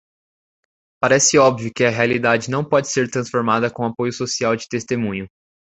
Parece óbvio que a realidade não pode ser transformada com apoio social de testemunho.